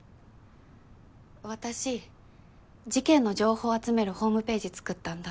私事件の情報を集めるホームページ作ったんだ。